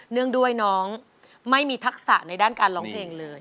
งด้วยน้องไม่มีทักษะในด้านการร้องเพลงเลย